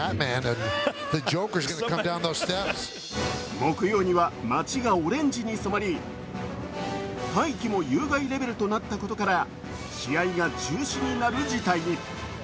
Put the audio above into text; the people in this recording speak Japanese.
木曜には街がオレンジに染まり大気も有害レベルとなったことから、試合が中止になる事態に。